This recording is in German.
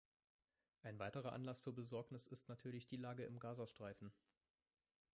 Ein weiterer Anlass für Besorgnis ist natürlich die Lage im Gaza-Streifen.